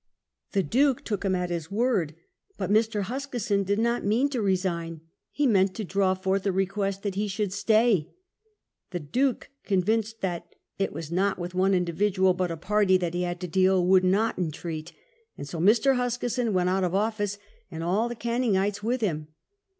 The Duke took him at his word; but Mr. Huskisson did not mean to resign, he meant to draw forth a request that he should stay. The Duke, convinced that " it was not with one individual but a party " that he had to deal, would not entreat ; and so Mr. Huskisson went out of office and all the Canningites with him.